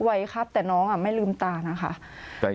ไวครับแต่น้องไม่ลืมตานะคะ